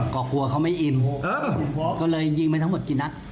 ก็กลัวเขาไม่อินก็เลยยิงไปทั้งหมดกี่นัด